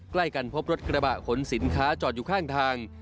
ใกล้กันพบรถกระบะขนสินค้าจอดอยู่ข้างทาง